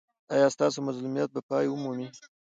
ایا ستاسو مظلومیت به پای ومومي؟